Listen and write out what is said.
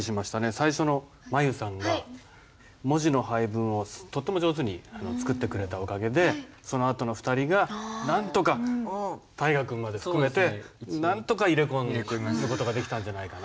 最初の舞悠さんが文字の配分をとっても上手に作ってくれたおかげでそのあとの２人がなんとか大河君まで含めてなんとか入れ込んでいく事ができたんじゃないかな。